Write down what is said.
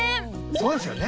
そうですよね。